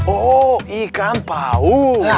oh ikan pau